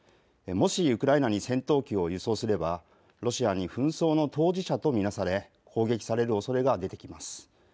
もしウクライナに戦闘機を輸送すればロシアに紛争の当事者と見なされ、攻撃されるおそれが出てきます。